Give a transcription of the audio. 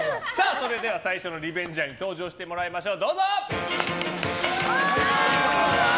それでは最初のリベンジャーに登場していただきましょう。